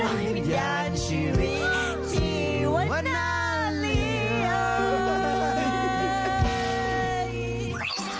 หน่อยวิทยานชีวิตชีวนาลีเอ่ย